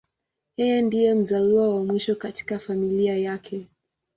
Yeye ndiye mzaliwa wa mwisho katika familia yake.